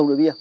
rồng đội bia